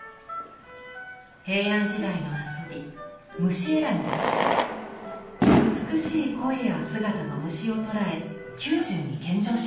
平安時代の遊び美しい声や姿の虫を捕らえ宮中に献上しました。